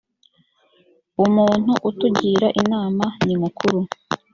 umuntu atugira inama nimukuru.